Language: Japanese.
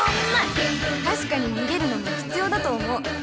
確かに逃げるのも必要だと思う。